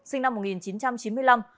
sinh năm một nghìn chín trăm chín mươi năm